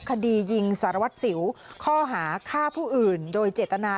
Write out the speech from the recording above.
คดียิงสารวัตรสิวข้อหาฆ่าผู้อื่นโดยเจตนา